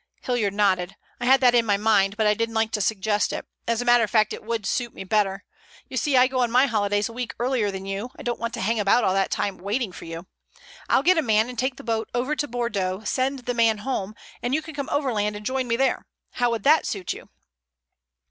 Hilliard nodded. "I had that in my mind, but I didn't like to suggest it. As a matter of fact it would suit me better. You see, I go on my holidays a week earlier than you. I don't want to hang about all that time waiting for you. I'll get a man and take the boat over to Bordeaux, send the man home, and you can come overland and join me there. How would that suit you?"